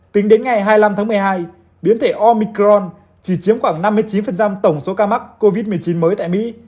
tính đến ngày hai mươi năm tháng một mươi hai biến thể omicron chỉ chiếm khoảng năm mươi chín tổng số ca mắc covid một mươi chín mới tại mỹ